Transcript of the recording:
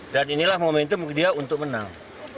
dan inilah momentum dia untuk menang